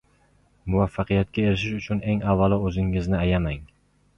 • Muvaffaqiyatga erishish uchun eng avvalo o‘zingiznini ayamang.